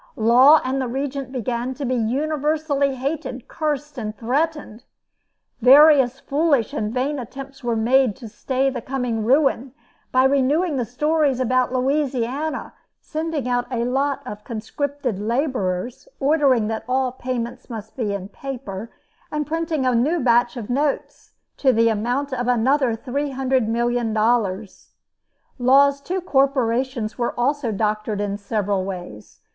Law and the Regent began to be universally hated, cursed, and threatened. Various foolish and vain attempts were made to stay the coming ruin, by renewing the stories about Louisiana sending out a lot of conscripted laborers, ordering that all payments must be made in paper, and printing a new batch of notes, to the amount of another $300,000,000. Law's two corporations were also doctored in several ways.